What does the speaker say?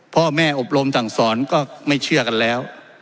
พ่อแม่อบรมสั่งสอนก็ไม่เชื่อกันแล้ว